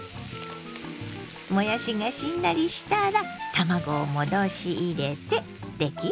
もやしがしんなりしたら卵を戻し入れて出来上がり。